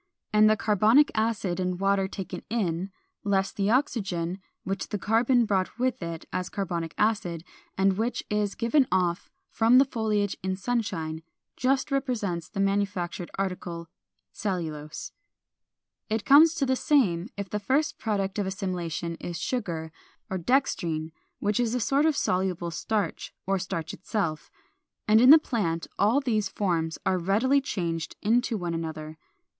And the carbonic acid and water taken in, less the oxygen which the carbon brought with it as carbonic acid, and which is given off from the foliage in sunshine, just represents the manufactured article, cellulose. 453. It comes to the same if the first product of assimilation is sugar, or dextrine which is a sort of soluble starch, or starch itself. And in the plant all these forms are readily changed into one another.